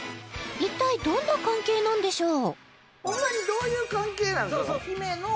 一体どんな関係なんでしょう？